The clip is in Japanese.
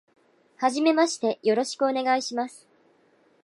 初めましてよろしくお願いします。